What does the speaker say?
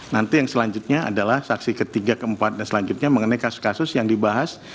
nanti yang selanjutnya adalah saksi ketiga keempat dan selanjutnya mengenai kasus kasus yang dibahas